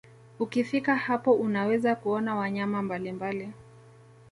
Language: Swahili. Ukifika hapo unaweza kuona wanyama mbalimbali